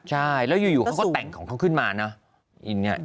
ใช่แล้วอยู่เขาก็แต่งของเขาขึ้นมานะ